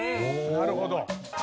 なるほど。